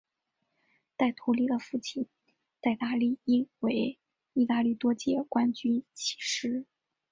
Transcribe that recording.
戴图理的父亲戴达利亦为意大利多届冠军骑师。